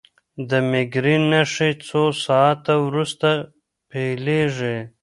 د مېګرین نښې څو ساعته وروسته پیلېږي.